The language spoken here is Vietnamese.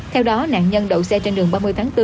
theo đó nạn nhân đậu xe trên đường ba mươi tháng bốn